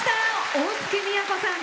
大月みやこさん